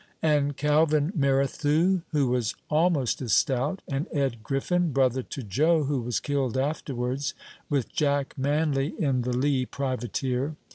"And Calvin Merrithew, who was almost as stout; and Ed Griffin, brother to Joe, who was killed afterwards, with Jack Manley, in the Lee privateer.